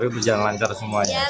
tapi berjalan lancar semuanya